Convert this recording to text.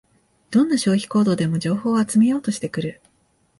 どんな消費行動でも情報を集めようとしてくる